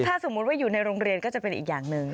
ถ้าสมมุติว่าอยู่ในโรงเรียนก็จะเป็นอีกอย่างหนึ่ง